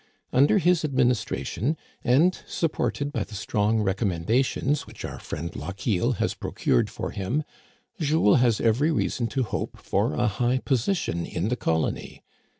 Under his administration and supported by the strong recommendations which our friend Lochiel has procured for him, Jules has every reason to hope for a high position in the colony.